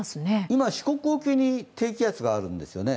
今、四国沖に低気圧があるんですね。